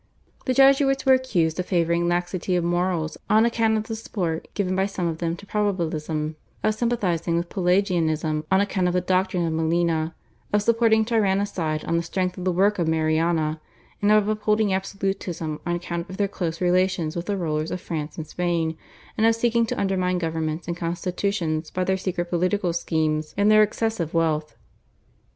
The Jesuits were accused of favouring laxity of morals on account of the support given by some of them to Probabilism, of sympathising with Pelagianism on account of the doctrine of Molina, of supporting tyrannicide on the strength of the work of Mariana, of upholding absolutism on account of their close relations with the rulers of France, and Spain, and of seeking to undermine governments and constitutions by their secret political schemes and their excessive wealth.